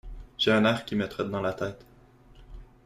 J'ai un air qui me trotte dans la tête.